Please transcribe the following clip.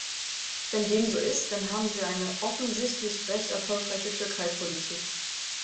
Wenn dem so ist, dann haben wir eine offensichtlich recht erfolgreiche Türkeipolitik.